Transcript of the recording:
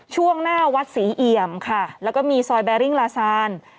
ช่วงหน้าวัดศรีเอี่ยมค่ะแล้วก็มีซอยแบริ่งลาซาน